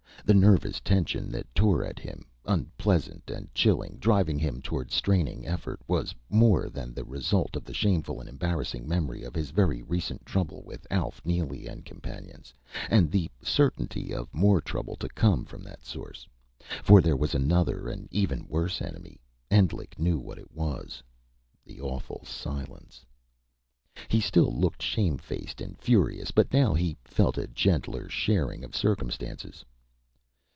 The nervous tension that tore at him unpleasant and chilling, driving him toward straining effort was more than the result of the shameful and embarrassing memory of his very recent trouble with Alf Neely and Companions, and the certainty of more trouble to come from that source. For there was another and even worse enemy. Endlich knew what it was The awful silence. He still looked shamefaced and furious; but now he felt a gentler sharing of circumstances.